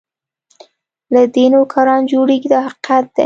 له دوی نوکران جوړېږي دا حقیقت دی.